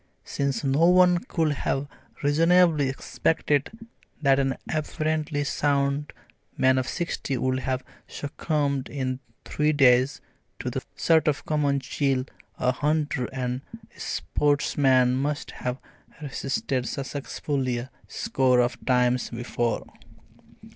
since no one could have reasonably expected that an apparently sound man of sixty would have succumbed in three days to the sort of common chill a hunter and sportsman must have resisted successfully a score of times before.